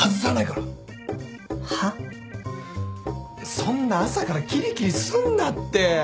そんな朝からきりきりすんなって。